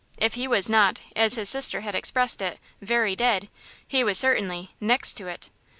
If he was not, as his sister had expressed it, "very dead," he was certainly "next to it."